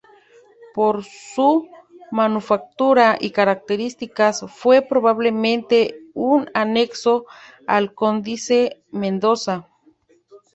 Por su manufactura y características, fue probablemente un anexo al Códice Mendoza.